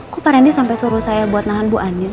kok pak rendy sampe suruh saya buat nahan bu anin